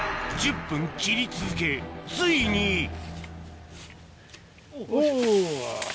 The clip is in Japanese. １０分切り続けついにおぉ。